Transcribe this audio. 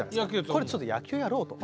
これはちょっと野球をやろうと。